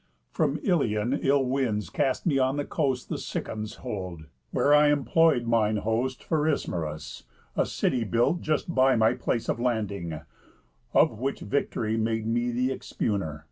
From Ilion ill winds cast me on the coast The Cicons hold, where I employ'd mine host For Ismarus, a city built just by My place of landing; of which victory Made me expugner.